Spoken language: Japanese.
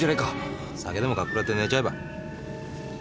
酒でもかっくらって寝ちゃえば？